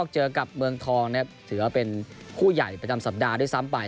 เจอกับเมืองทองนะครับถือว่าเป็นคู่ใหญ่ประจำสัปดาห์ด้วยซ้ำไป